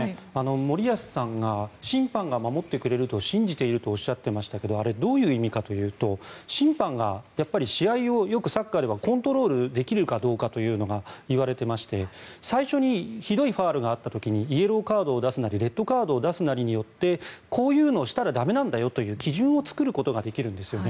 森保さんが審判が守ってくれると信じているとおっしゃっていましたがあれ、どういう意味かというと審判が試合をよくサッカーではコントロールできるかどうかというのが言われていまして最初にひどいファウルがあった時にイエローカードを出すなりレッドカードを出すなりによってこういうのをしたら駄目という基準を作ることができるんですよね。